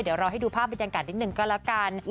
เดี๋ยวเราให้ดูภาพเป็นอย่างกันนิดนึงก็ละกัน